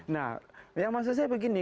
nah yang maksud saya begini